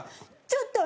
ちょっと！